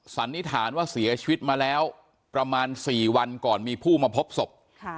สันนิษฐานว่าเสียชีวิตมาแล้วประมาณ๔วันก่อนมีผู้มาพบศพ